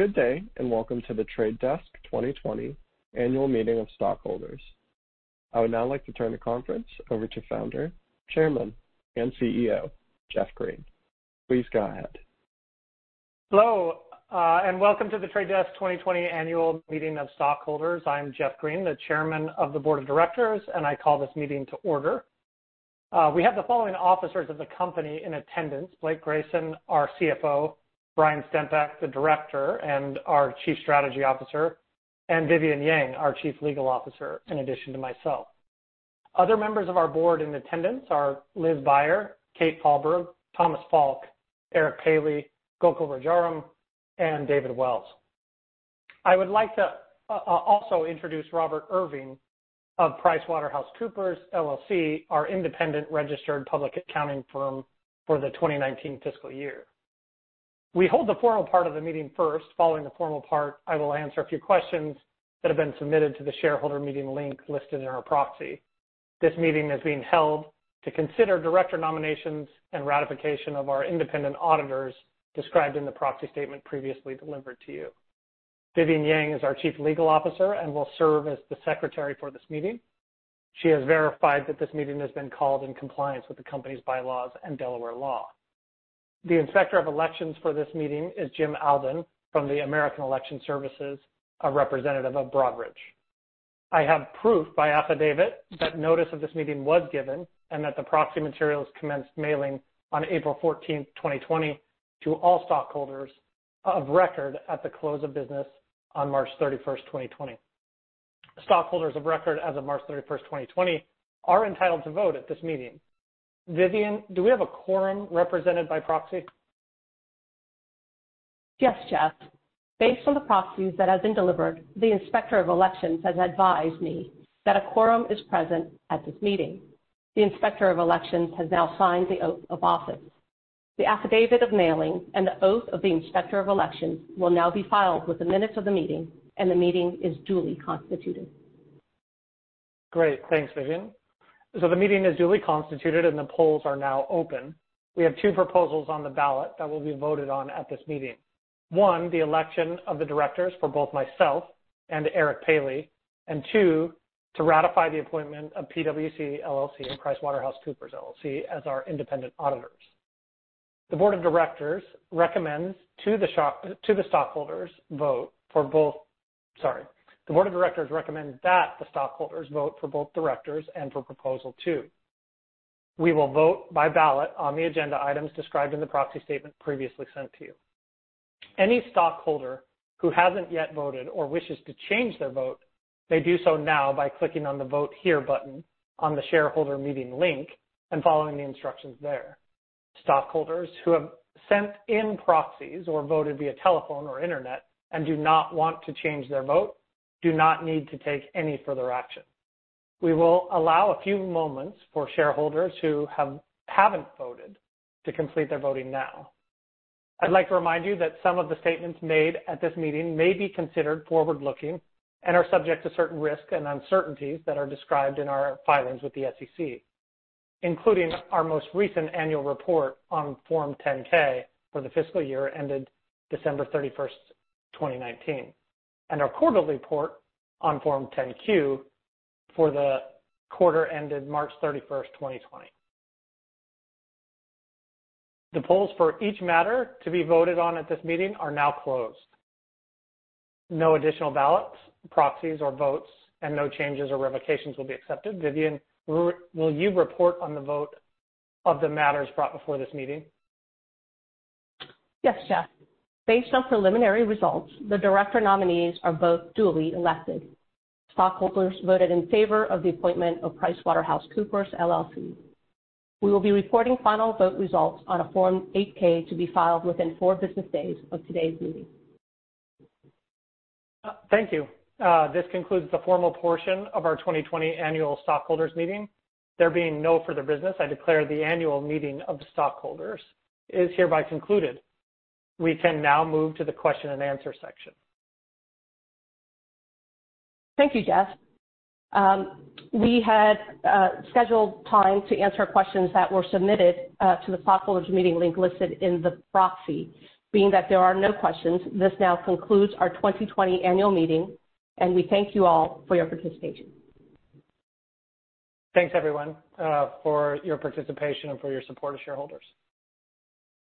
Good day, and welcome to The Trade Desk 2020 annual meeting of stockholders. I would now like to turn the conference over to Founder, Chairman, and CEO, Jeff Green. Please go ahead. Hello, and welcome to The Trade Desk 2020 annual meeting of stockholders. I'm Jeff Green, the Chairman of the Board of Directors, and I call this meeting to order. We have the following officers of the company in attendance, Blake Grayson, our CFO, Brian Stempeck, the Director and our Chief Strategy Officer, and Vivian Yang, our Chief Legal Officer, in addition to myself. Other members of our board in attendance are Lise Buyer, Kate Falberg, Thomas Falk, Eric Paley, Gokul Rajaram, and David Wells. I would like to also introduce Robert Irving of PricewaterhouseCoopers LLP, our independent registered public accounting firm for the 2019 fiscal year. We hold the formal part of the meeting first. Following the formal part, I will answer a few questions that have been submitted to the shareholder meeting link listed in our proxy. This meeting is being held to consider director nominations and ratification of our independent auditors described in the proxy statement previously delivered to you. Vivian Yang is our Chief Legal Officer and will serve as the secretary for this meeting. She has verified that this meeting has been called in compliance with the company's bylaws and Delaware law. The inspector of elections for this meeting is Jim Alden from the American Election Services, a representative of Broadridge. I have proof by affidavit that notice of this meeting was given and that the proxy materials commenced mailing on April 14, 2020, to all stockholders of record at the close of business on March 31, 2020. Stockholders of record as of March 31, 2020, are entitled to vote at this meeting. Vivian, do we have a quorum represented by proxy? Yes, Jeff. Based on the proxies that have been delivered, the inspector of elections has advised me that a quorum is present at this meeting. The inspector of elections has now signed the oath of office. The affidavit of mailing and the oath of the inspector of elections will now be filed with the minutes of the meeting, and the meeting is duly constituted. Great. Thanks, Vivian. The meeting is duly constituted, and the polls are now open. We have two proposals on the ballot that will be voted on at this meeting. One, the election of the directors for both myself and Eric Paley, and two, to ratify the appointment of PwC LLP and PricewaterhouseCoopers LLP as our independent auditors. The board of directors recommend that the stockholders vote for both directors and for proposal two. We will vote by ballot on the agenda items described in the proxy statement previously sent to you. Any stockholder who hasn't yet voted or wishes to change their vote, may do so now by clicking on the Vote Here button on the shareholder meeting link and following the instructions there. Stockholders who have sent in proxies or voted via telephone or internet and do not want to change their vote do not need to take any further action. We will allow a few moments for shareholders who haven't voted to complete their voting now. I'd like to remind you that some of the statements made at this meeting may be considered forward-looking and are subject to certain risks and uncertainties that are described in our filings with the SEC, including our most recent annual report on Form 10-K for the fiscal year ended December 31st, 2019, and our quarterly report on Form 10-Q for the quarter ended March 31st, 2020. The polls for each matter to be voted on at this meeting are now closed. No additional ballots, proxies, or votes and no changes or revocations will be accepted. Vivian, will you report on the vote of the matters brought before this meeting? Yes, Jeff. Based on preliminary results, the director nominees are both duly elected. Stockholders voted in favor of the appointment of PricewaterhouseCoopers LLP. We will be reporting final vote results on a Form 8-K to be filed within four business days of today's meeting. Thank you. This concludes the formal portion of our 2020 annual stockholders meeting. There being no further business, I declare the annual meeting of stockholders is hereby concluded. We can now move to the question-and-answer section. Thank you, Jeff. We had scheduled time to answer questions that were submitted to the stockholders meeting link listed in the proxy. Being that there are no questions, this now concludes our 2020 annual meeting. We thank you all for your participation. Thanks, everyone, for your participation and for your support as shareholders.